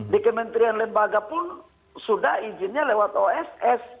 di kementerian lembaga pun sudah izinnya lewat oss